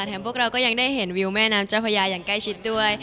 พวกเราก็ยังได้เห็นวิวแม่น้ำเจ้าพญาอย่างใกล้ชิดด้วย